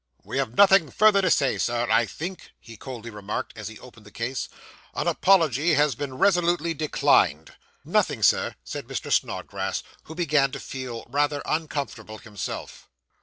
'We have nothing further to say, Sir, I think,' he coldly remarked, as he opened the case; 'an apology has been resolutely declined.' 'Nothing, Sir,' said Mr. Snodgrass, who began to feel rather uncomfortable himself.